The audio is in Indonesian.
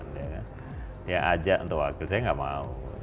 dia ajak untuk wakil saya nggak mau